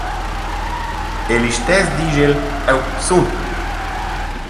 E listess disch el: «Eu sun!»